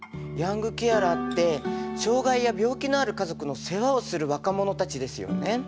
ヤングケアラーって障がいや病気のある家族の世話をする若者たちですよね。